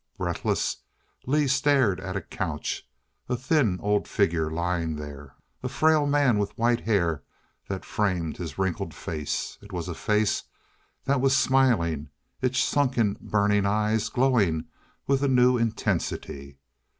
Breathless, Lee stared at a couch a thin old figure lying there a frail man with white hair that framed his wrinkled face. It was a face that was smiling, its sunken, burning eyes glowing with a new intensity.